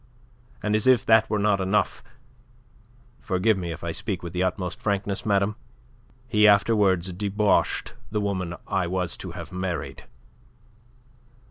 And as if that were not enough forgive me if I speak with the utmost frankness, madame he afterwards debauched the woman I was to have married."